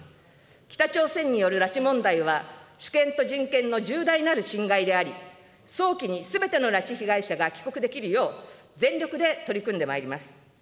北朝鮮による拉致問題は主権と人権の重大なる侵害であり、早期にすべての拉致被害者が帰国できるよう、全力で取り組んでまいります。